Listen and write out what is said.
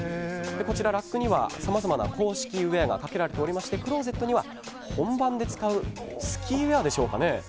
こちら、ラックにはさまざまな公式ウェアがかけられていましてクローゼットには本番で使うスキーウェアでしょうかね